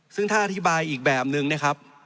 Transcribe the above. ซึ่งถ้าอธิบายอีกแบบนึงนะครับ